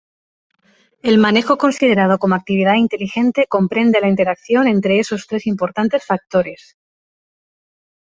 El manejo considerado como actividad inteligente comprende la interacción entre esos tres importantes factores.